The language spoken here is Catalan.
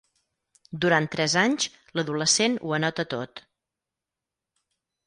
Durant tres anys, l'adolescent ho anota tot.